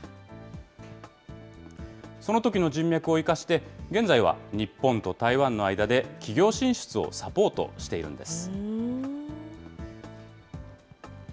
そのときの人脈を生かして、現在は日本と台湾の間で企業進出をサポートしているんです。